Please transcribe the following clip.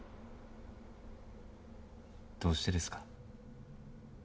どうしてですか？